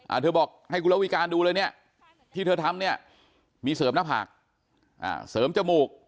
เธอบอกให้คุณละวิการดูเลยเนี่ยที่เธอทำเนี่ยมีเสริมหน้าผากอ่าเสริมจมูก